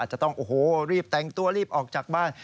จะต้องโอ้โหรีบแต่งตัวรีบออกจากบ้าน